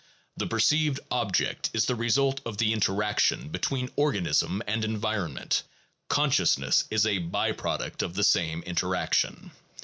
The perceived object is the result of the inter action between organism and environment; consciousness is a by product of the same interaction.